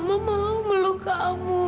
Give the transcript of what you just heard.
mama mau meluk kamu